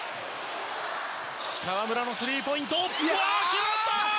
河村のスリーポイント決まった！